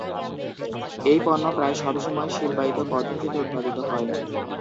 এই পণ্য প্রায় সব সময় শিল্পায়িত পদ্ধতিতে উৎপাদিত হয়।